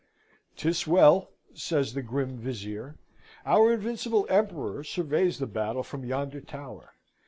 "'Tis well," says the grim Vizier, "our invincible Emperor surveys the battle from yonder tower.